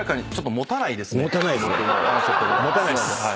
持たないです。